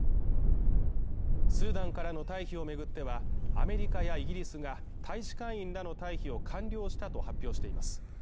スーダンからの退避を巡っては、アメリカやイギリスが、大使館員らの退避を完了したと発表しています。